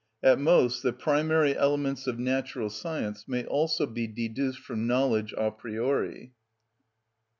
At most the primary elements of natural science may also be deduced from knowledge a priori.